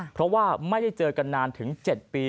เพราะว่าไม่ได้เจอกันนานถึง๗ปี